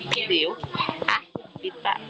พี่สิว